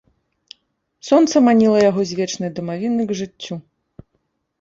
Сонца маніла яго з вечнай дамавіны к жыццю.